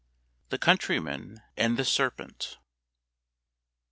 THE COUNTRYMAN AND THE SERPENT.